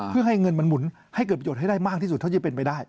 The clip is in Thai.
เพื่อให้เงินมันหมุนให้เกิดประโยชน์ให้ได้มากที่สุดเท่าที่เป็นไปได้